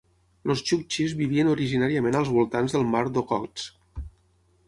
Els txuktxis vivien originàriament als voltants del mar d'Okhotsk.